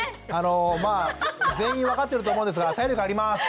まあ全員分かってると思うんですが体力あります。